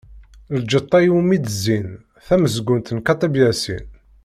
"Lǧetta iwumi d-zzin" d tamezgunt n Kateb Yasin.